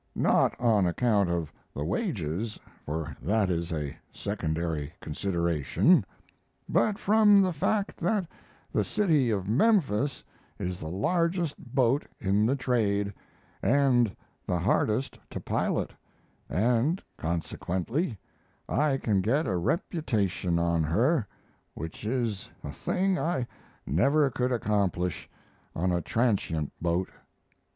Not on account of the wages for that is a secondary consideration but from the fact that the City of Memphis is the largest boat in the trade, and the hardest to pilot, and consequently I can get a reputation on her, which is a thing I never could accomplish on a transient boat.